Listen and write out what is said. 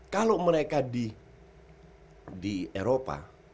kalau mereka di eropa